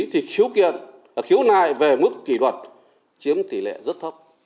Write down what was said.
thì khiếu kiện khiếu nại về mức kỷ luật chiếm tỷ lệ rất thấp